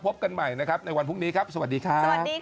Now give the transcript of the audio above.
พบกันใหม่ในวันพรุ่งนี้ครับสวัสดีค่ะ